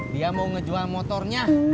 dia mau ngejual motornya